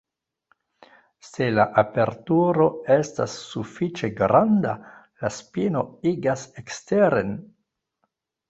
Se la aperturo estas sufiĉe granda, la spino igas eksteren.